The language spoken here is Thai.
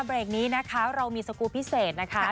เบรกนี้นะคะเรามีสกูลพิเศษนะคะ